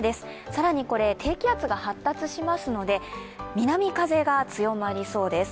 更に低気圧が発達しますので、南風が強まりそうです。